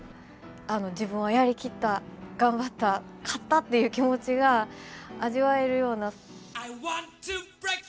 自分はやりきった頑張った、勝ったっていう気持ちが味わえるような。